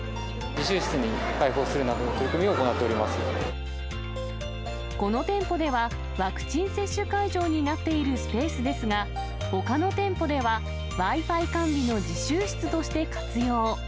自習室に開放するなどの取りこの店舗では、ワクチン接種会場になっているスペースですが、ほかの店舗では、Ｗｉ−Ｆｉ完備の自習室として活用。